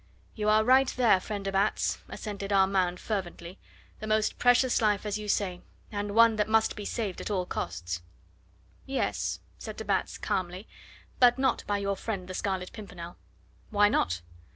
"You are right there, friend de Batz," assented Armand fervently, "the most precious life, as you say, and one that must be saved at all costs." "Yes," said de Batz calmly, "but not by your friend the Scarlet Pimpernel." "Why not?"